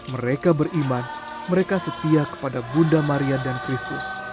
mereka beriman mereka setia kepada bunda maria dan kristus